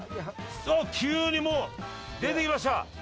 急にもう出てきました。